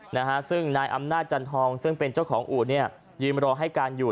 นะฮะซึ่งนายอำนาจจันทองซึ่งเป็นเจ้าของอู่เนี่ยยืนรอให้การอยู่